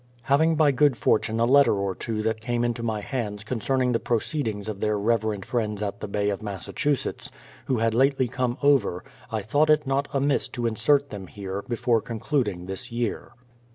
Having by good fortune a letter or two that came into my hands concerning the proceedings of their reverend friends at the Bay of Massachusetts, who had lately come over, I thought it not amiss to insert them here, before concluding this year.